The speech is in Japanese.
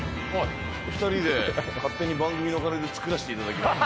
２人で勝手に番組の金で作らせていただきました。